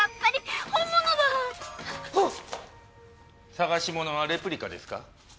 捜し物はレプリカですか？